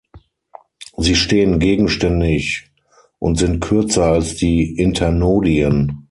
Sie stehen gegenständig und sind kürzer als die Internodien.